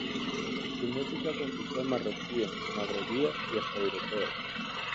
Su música conquistó marroquíes, magrebíes y hasta europeos.